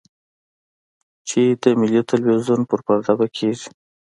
چې د ملي ټلویزیون پر پرده به کېږي.